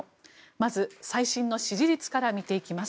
まず、最新の支持率から見ていきます。